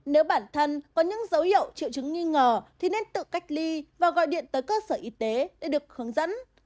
nếu bản thân có những dấu hiệu triệu chứng nghi ngờ thì nên tự cách ly và gọi điện tới cơ sở y tế để được hướng dẫn